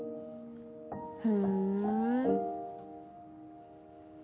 ふん。